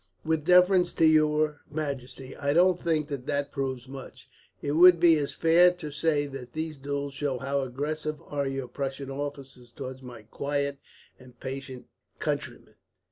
"With deference to your majesty, I don't think that that proves much. It would be as fair to say that these duels show how aggressive are your Prussian officers towards my quiet and patient countrymen.